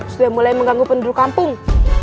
sudah mulai mengganggu penduduk kampung